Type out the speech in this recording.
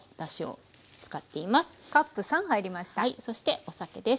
そしてお酒です。